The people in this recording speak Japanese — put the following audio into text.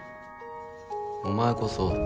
お前こそ